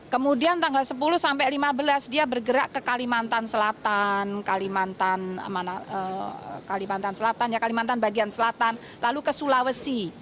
kemudian tanggal sepuluh sampai lima belas dia bergerak ke kalimantan selatan kalimantan selatan kalimantan bagian selatan lalu ke sulawesi